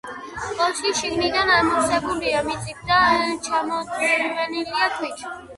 კოშკი შიგნიდან ამოვსებულია მიწით და ჩამოცვენილი ქვით.